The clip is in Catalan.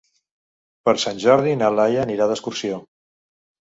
Per Sant Jordi na Laia anirà d'excursió.